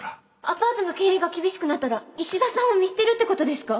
アパートの経営が厳しくなったら石田さんを見捨てるってことですか？